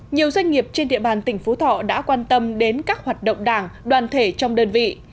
nhiều doanh nghiệp trên địa bàn tỉnh phú thọ đã quan tâm đến các hoạt động đảng đoàn thể trong đơn vị